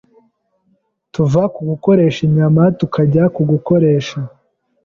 tuva ku gukoresha inyama tukajya ku gukoresha